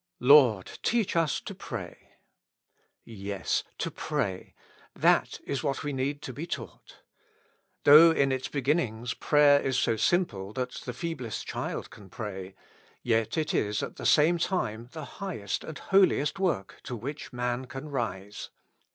"Lord, teach us to pray.'" Yes, to pray. That is what we need to be taught. Though in its begin nings prayer is so simple that the feeblest child can pray, yet it is at the same time the highest and holiest work to which man can rise.